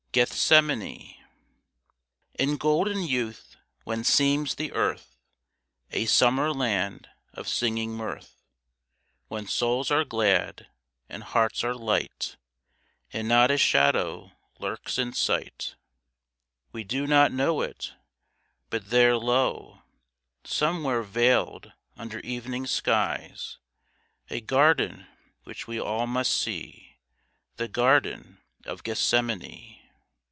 GETHSEMANE In golden youth when seems the earth A Summer land of singing mirth, When souls are glad and hearts are light, And not a shadow lurks in sight, We do not know it, but there lieu Somewhere veiled under evening skies A garden which we all must see— The garden of Gethsemane.